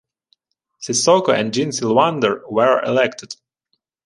Sissoko and Jean Silvandre were elected.